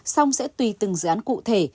xong sẽ tùy từng dự án cụ thể